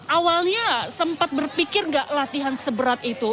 awalnya sempat berpikir gak latihan seberat itu